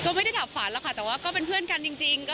ก็ไม่ได้ดาบขวานหรอกค่ะแต่ว่าก็เป็นเพื่อนกันจริง